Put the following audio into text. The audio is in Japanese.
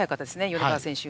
米川選手。